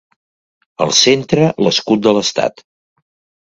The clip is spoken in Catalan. Al centre l'escut de l'estat.